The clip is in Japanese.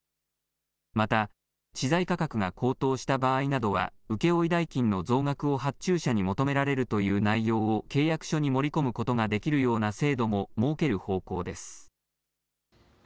また資材価格が高騰した場合などは請け負い代金の増額を発注者に求められるという内容を契約書に盛り込むことができるような制度も設ける方向です。